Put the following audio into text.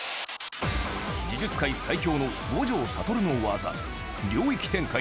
呪術界最強の五条悟の技領域展開